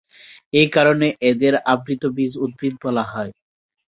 এ কারণে এদের আবৃতবীজ উদ্ভিদ বলা হয়।